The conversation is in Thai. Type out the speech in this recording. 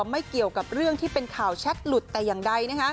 ไม่เกี่ยวกับเรื่องที่เป็นข่าวแชทหลุดแต่อย่างใด